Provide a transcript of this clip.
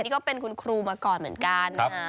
นี่ก็เป็นคุณครูมาก่อนเหมือนกันนะฮะ